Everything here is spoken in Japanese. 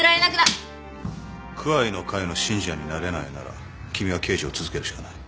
クアイの会の信者になれないなら君は刑事を続けるしかない。